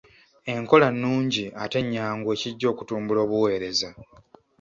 Enkola nnungi ate nnyangu ekijja okutumbula obuweereza.